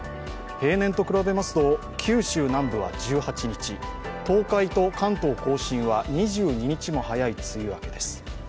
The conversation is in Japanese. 平年と比べますと、九州南部は１８日東海と関東甲信は２２日も早い梅雨明けです。